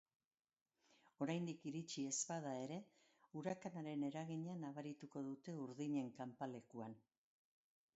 Oraindik iritsi ez bada ere, urakanaren eragina nabarituko dute urdinen kanpalekuan.